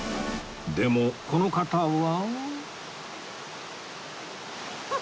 でもこの方は